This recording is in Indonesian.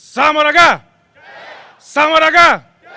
salam warahmatullahi wabarakatuh